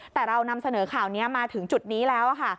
แต่เรานำเสนอข่าวนี้มาถึงจุดนี้แล้วค่ะ